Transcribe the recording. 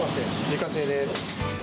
自家製です。